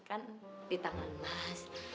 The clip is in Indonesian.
kan di tangan mas